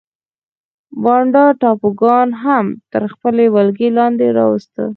بانډا ټاپوګان هم تر خپلې ولکې لاندې راوسته.